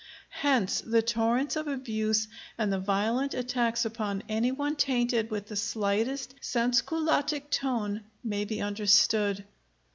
Hence the torrents of abuse and the violent attacks upon any one tainted with the slightest Sans culottic tone may be understood.